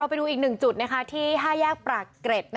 เราไปดูอีก๑จุดที่๕แยกปากเกร็ด